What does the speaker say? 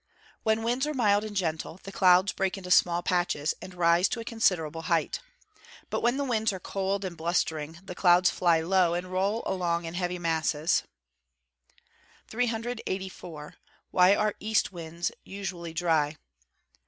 _ When winds are mild and gentle, the clouds break into small patches, and rise to a considerable height. But when the winds are cold and blustering, the clouds fly low, and roll along in heavy masses. 384. _Why are east winds usually dry?